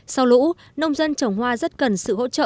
sau lũ nông dân trồng hoa rất cần sự hỗ trợ